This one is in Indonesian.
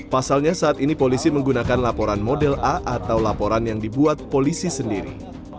pasalnya saat ini polisi menggunakan laporan model a atau laporan yang dibuat polisi sendiri